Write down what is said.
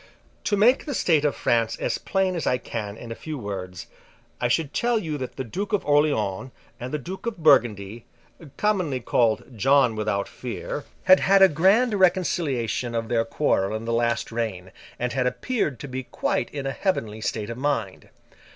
To make the state of France as plain as I can in a few words, I should tell you that the Duke of Orleans, and the Duke of Burgundy, commonly called 'John without fear,' had had a grand reconciliation of their quarrel in the last reign, and had appeared to be quite in a heavenly state of mind.